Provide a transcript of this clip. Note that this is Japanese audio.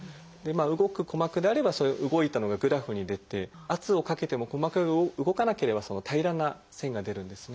動く鼓膜であれば動いたのがグラフに出て圧をかけても鼓膜が動かなければ平らな線が出るんですね。